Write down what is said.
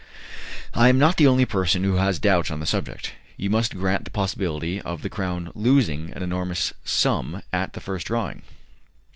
"I am not the only person who has doubts on the subject. You must grant the possibility of the Crown losing an enormous sum at the first drawing?"